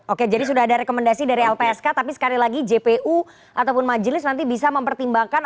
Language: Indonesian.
oke jadi sudah ada rekomendasi dari lpsk tapi sekali lagi jpu ataupun majelis nanti bisa mempertimbangkan